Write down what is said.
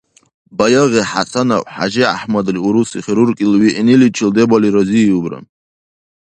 Баягъи ХӀясанов ХӀяжигӀяхӀмадли уруси хирург ил виъниличи дебали разииубра.